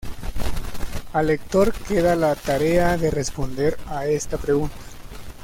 Al lector queda la tarea de responder a esta pregunta.